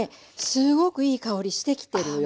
すごくいい香りしてきてるよ。